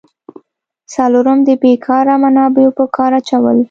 څلورم: د بیکاره منابعو په کار اچول.